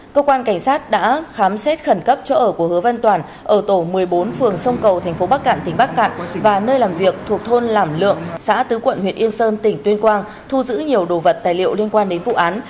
cơ quan cảnh sát đã khám xét khẩn cấp chỗ ở của hứa văn toàn ở tổ một mươi bốn phường sông cầu tp bắc cạn tỉnh bắc cạn và nơi làm việc thuộc thôn lảm lượng xã tứ quận huyện yên sơn tỉnh tuyên quang thu giữ nhiều đồ vật tài liệu liên quan đến vụ án